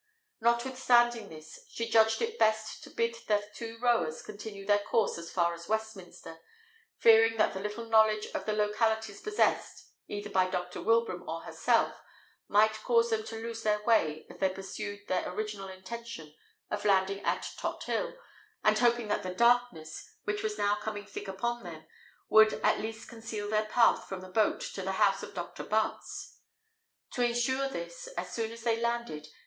Notwithstanding this, she judged it best to bid their two rowers continue their course as far as Westminster, fearing that the little knowledge of the localities possessed either by Dr. Wilbraham or herself might cause them to lose their way if they pursued their original intention of landing at Tothill, and hoping that the darkness, which was now coming thick upon them, would at least conceal their path from the boat to the house of Dr. Butts. To ensure this, as soon as they had landed.